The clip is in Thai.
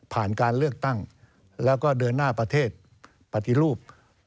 การเลือกตั้งแล้วก็เดินหน้าประเทศปฏิรูป